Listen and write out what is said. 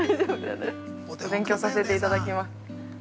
◆勉強させていただきます。